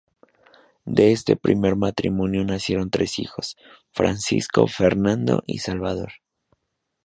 De este primer matrimonio nacieron tres hijos, Francisco, Fernando y Salvador.